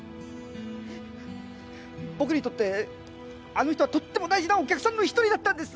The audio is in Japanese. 僕にとってあの人はとっても大事なお客さんの一人だったんです。